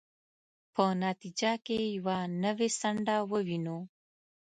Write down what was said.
په نتیجه کې یوه نوې څنډه ووینو.